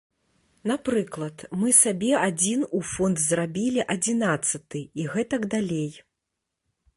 Напрыклад, мы сабе адзін у фонд зрабілі адзінаццаты і гэтак далей.